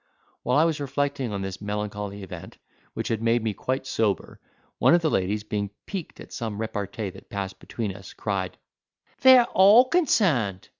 While I was reflecting on this melancholy event, which had made me quite sober, one of the ladies, being piqued at some repartee that passed between us, cried, "They are all concerned!"